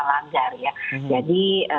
langgar ya jadi